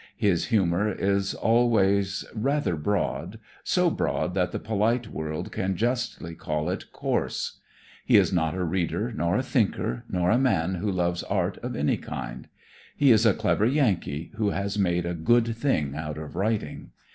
His humor is always rather broad, so broad that the polite world can justly call it coarse. He is not a reader nor a thinker nor a man who loves art of any kind. He is a clever Yankee who has made a "good thing" out of writing.